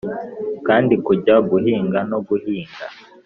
kandi kujya guhiga no guhinga.